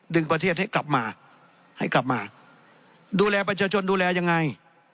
ประเทศให้กลับมาให้กลับมาดูแลประชาชนดูแลยังไง